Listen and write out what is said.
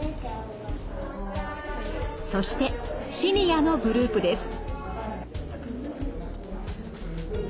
そしてシニアのグループです。